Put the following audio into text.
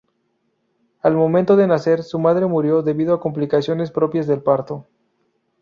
Al momento de nacer, su madre murió debido a complicaciones propias del parto.